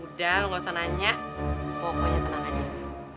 udah lu gak usah nanya pokoknya tenang aja